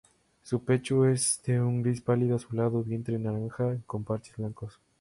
Su pecho es de un gris pálido azulado, vientre naranja con parches blancos.